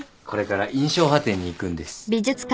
これから『印象派展』に行くんです。